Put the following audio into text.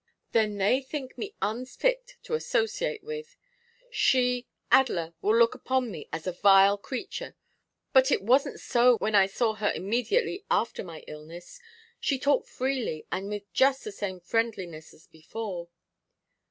'Then they think me unfit to associate with them? She Adela will look upon me as a vile creature! But it wasn't so when I saw her immediately after my illness. She talked freely and with just the same friendliness as before.